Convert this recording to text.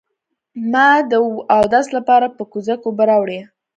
ما د اودس لپاره په کوزه کې اوبه راوړې.